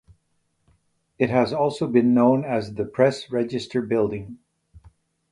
It has also been known as the Press Register Building.